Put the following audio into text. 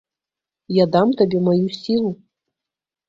Я дам табе маю сілу.